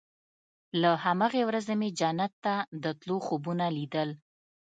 له هماغې ورځې مې جنت ته د تلو خوبونه ليدل.